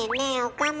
岡村。